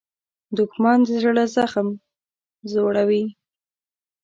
دښمن د زړه زخم زوړوي